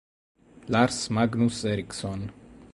Lars Magnus Ericsson